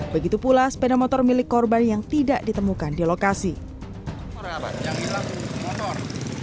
begitu pula sepeda motor milik korban yang tidak ditemukan di lokasi yang hilang motor